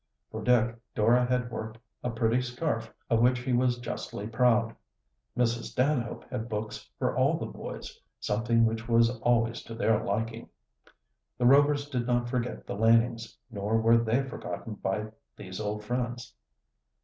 For Dick Dora had worked a pretty scarf, of which he was justly proud. Mrs. Stanhope had books for all the boys, something which was always to their liking. The Rovers did not forget the Lanings, nor were they forgotten by these old friends.